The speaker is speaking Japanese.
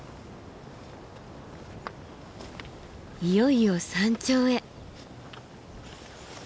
いよいよ山頂へ。